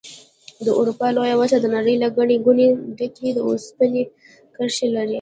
د اروپا لویه وچه د نړۍ له ګڼې ګوڼې ډکې د اوسپنې کرښې لري.